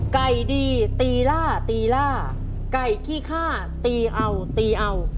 ไก่ดีตีล่าตีล่าไก่ขี้ฆ่าตีเอาตีเอา